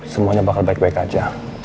semuanya bakal baik baik aja